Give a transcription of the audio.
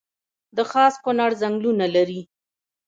د خاص کونړ ځنګلونه لري